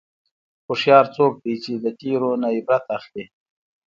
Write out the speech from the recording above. هوښیار څوک دی چې د تېرو نه عبرت اخلي.